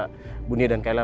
kau mau lihat kesana